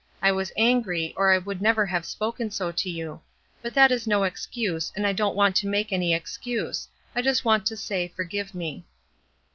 I was angry, or I would have never spoken so to you; but that is no excuse, and I don't want to make any excuse; I just want to say, forgive me."